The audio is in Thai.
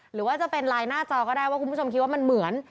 หรือว่าจะเป็นไลน์หน้าจอก็ได้ว่าคุณผู้ชมคิดว่ามันเหมือน